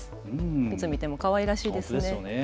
いつ見てもかわいらしいですよね。